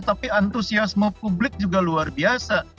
tapi antusiasme publik juga luar biasa